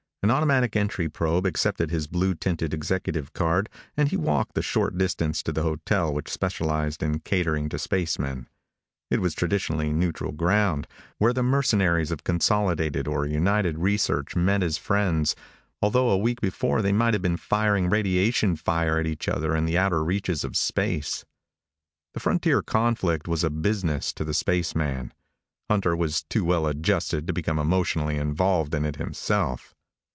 An automatic entry probe accepted his blue tinted executive card, and he walked the short distance to the hotel which specialized in catering to spacemen. It was traditionally neutral ground, where the mercenaries of Consolidated or United Research met as friends, although a week before they might have been firing radiation fire at each other in the outer reaches of space. The frontier conflict was a business to the spaceman. Hunter was too well adjusted to become emotionally involved in it himself.